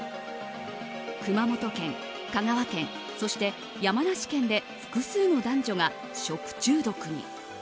熊本県、香川県そして山梨県で複数の男女が食中毒に。